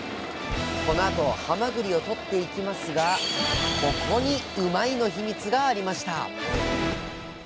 このあとはまぐりをとっていきますがここにうまいッ！のヒミツがありました。